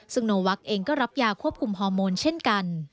ซึ่งโนวักเองก็รับยาควบคุมฮอร์โมนเช่นกัน